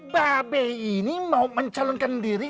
babi ini mau mencalonkan diri